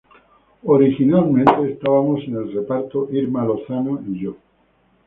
Originalmente estábamos en el reparto Irma Lozano y yo.